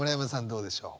どうでしょう？